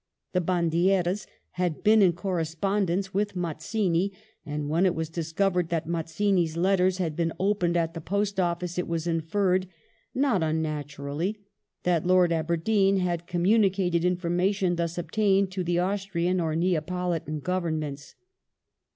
The Bandieras had been in con espondence with Mazzini, and when it was discovered that Mazzini's letters had been opened at the Post Office it was infeiTed — not unnaturally — that I^rd Aberdeen had communicated information thus obtained to the Austrian or Neapolitan Governments.